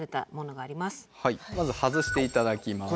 まず外して頂きます。